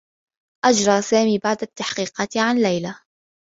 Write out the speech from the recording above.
أجرى سامي بعض التّحقيقات عن ليلى.